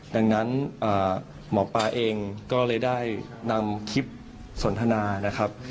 ดังนั้นหมอปลาเองก็เลยได้นำคลิปสนทนานะครับ